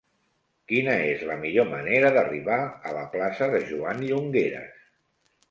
Quina és la millor manera d'arribar a la plaça de Joan Llongueras?